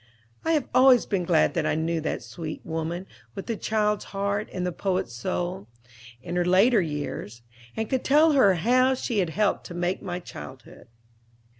(I have always been glad that I knew that sweet woman with the child's heart and the poet's soul, in her later years, and could tell her how happy she had helped to make my childhood.)